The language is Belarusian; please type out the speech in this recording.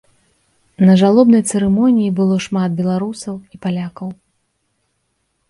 На жалобнай цырымоніі было шмат беларусаў і палякаў.